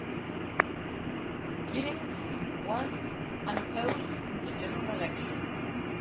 Giddings was unopposed in the general election.